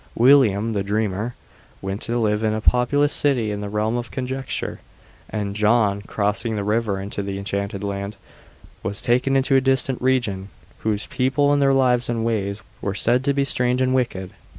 William (the dreamer) went to live in a populous city in the Realm of Conjecture, and John, crossing the river into the Enchanted Land, was taken to a distant region whose people in their lives and ways were said to be strange and wicked.